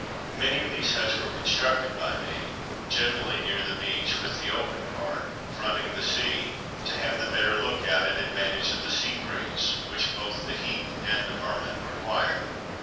Many of these huts were constructed by me, generally near the beach, with the open part, fronting the sea, to have the better look out, and the advantage of the sea breeze, which both the heat and the vermin required.